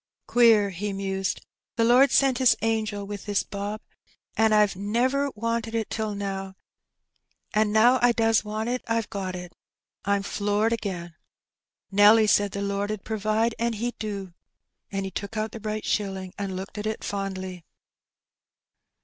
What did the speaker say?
'^" Queer !^' he mused. ''The Lord sent His angel wi' this bob, an* I've never wanted it till now, an' now I does want it, I've got it. I'm floored again. Nelly said the Lord 'ud provide, and He do.". And he took out the bright shilling and looked at it fondly.